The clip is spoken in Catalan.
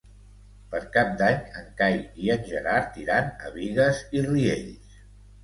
Per Cap d'Any en Cai i en Gerard iran a Bigues i Riells.